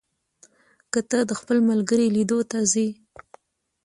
که ته د خپل ملګري لیدو ته ځې،